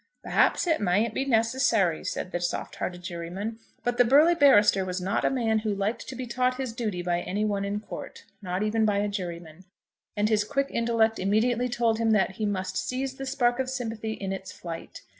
"Perhaps it mayn't be necessary," said the soft hearted juryman. But the burly barrister was not a man who liked to be taught his duty by any one in court, not even by a juryman, and his quick intellect immediately told him that he must seize the spark of sympathy in its flight.